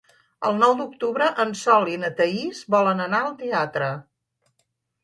El nou d'octubre en Sol i na Thaís volen anar al teatre.